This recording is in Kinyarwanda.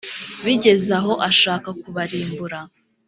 bigeza aho ashaka kubarimbura;